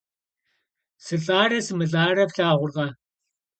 СылӀарэ сымылӀарэ флъагъуркъэ?